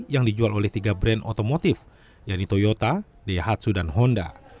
yang dijual oleh tiga brand otomotif yaitu toyota daihatsu dan honda